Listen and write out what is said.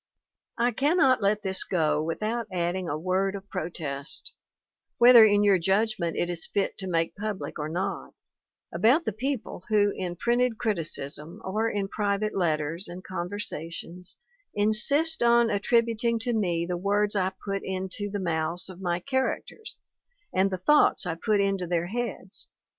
"I cannot let this go without adding a word of pro test whether in your judgment it is fit to make public or not about the people who in printed criticism, or in private letters and conversations, insist on attribut ing to me the words I put into the mouths of my characters, and the thoughts I put into their heads.